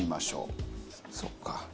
そっか。